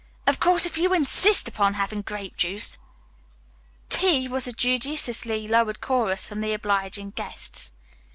Of course if you insist upon having grape juice " "Tea," was the judiciously lowered chorus from the obliging guests.